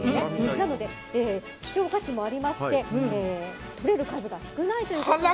なので、希少価値もありましてとれる数が少ないということで。